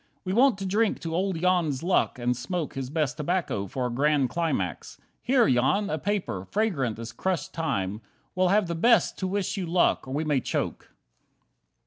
We want to drink to old Jan's luck, and smoke His best tobacco for a grand climax. Here, Jan, a paper, fragrant as crushed thyme, We'll have the best to wish you luck, or may we choke!"